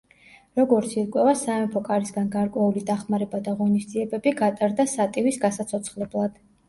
როგორც ირკვევა სამეფო კარისგან გარკვეული დახმარება და ღონისძიებები გატარდა სატივის გასაცოცხლებლად.